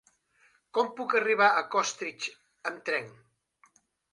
Com puc arribar a Costitx amb tren?